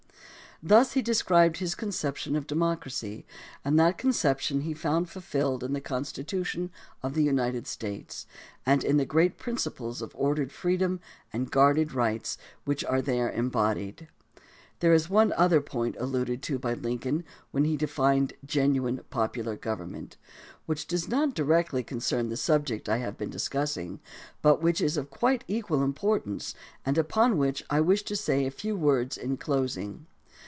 Thus he described his conception of democracy, and that conception he found fulfilled in the Constitution of the United States and in the great principles of ordered freedom and guarded rights which are there embodied. There is one other point alluded to by Lincoln when he defined "genuine popular government," which does not directly concern the subject I have been discussing, but which is of quite equal importance and upon which I wish to say a few words in closing.